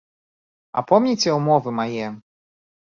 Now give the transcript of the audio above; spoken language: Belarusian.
А помніце ўмовы мае?